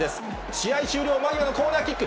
試合終了間際のコーナーキック。